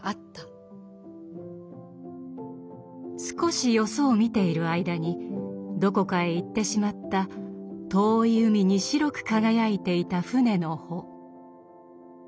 少しよそを見ている間にどこかへ行ってしまった遠い海に白く輝いていた舟の帆。